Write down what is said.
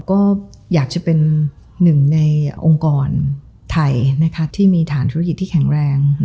ก็อยากจะเป็นหนึ่งในองค์กรไทยที่มีฐานธุรกิจที่แข็งแรง